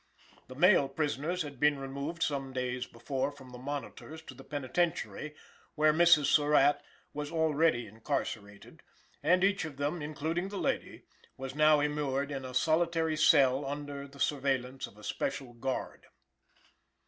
The male prisoners had been removed some days before from the Monitors to the Penitentiary, where Mrs. Surratt was already incarcerated, and each of them, including the lady, was now immured in a solitary cell under the surveillance of a special guard.